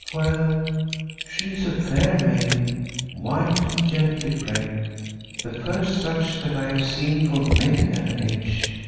"Well, she is a fair maiden, white and gently bred, the first such that I have seen for many an age.